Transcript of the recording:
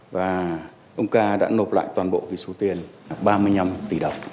và ông ca đã nộp lại toàn bộ số tiền ba mươi năm tỷ đồng